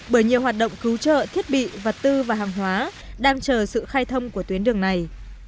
bởi nhiều hoạt động cứu trợ thiết bị vật tư và hàng hóa đang chờ sự khai thông của tuyến đường này